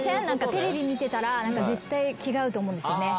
「テレビ見てたら絶対気が合うと思うんですよね」